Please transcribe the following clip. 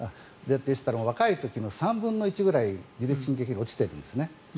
でしたら若い時の３分の１くらい自律神経機能が落ちてるんですね。